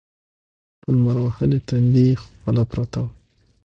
په لمر وهلي تندي يې خوله پرته وه.